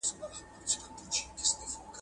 ښه قانون سوله ساتي.